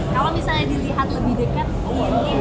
kalau misalnya dilihat lebih dekat ini